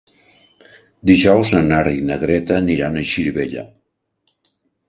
Dijous na Nara i na Greta aniran a Xirivella.